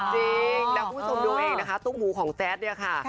จริงแล้วคุณผู้ชมดูเองนะคะตุ้งหมูของแจ๊ดเนี่ยค่ะ